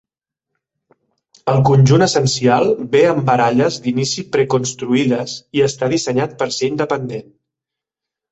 El conjunt essencial ve amb baralles d'inici pre-construïdes i està dissenyat per ser independent.